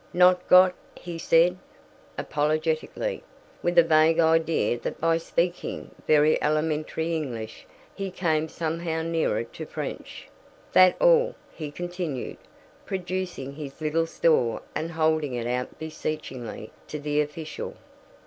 "Not got," he said, apologetically, with a vague idea that by speaking very elementary English he came somehow nearer to French, "That all," he continued, producing his little store and holding it out beseechingly to the official.